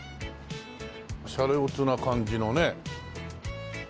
シャレオツな感じのね。